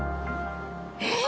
えっ！？